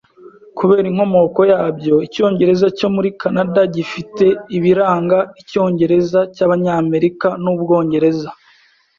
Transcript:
Kubera inkomoko yabyo, icyongereza cyo muri Kanada gifite ibiranga icyongereza cyabanyamerika nu Bwongereza